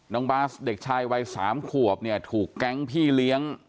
น้องบาร์ดเด็กชายวัยสามขวบถูกแก๊งพี่เลี้ยง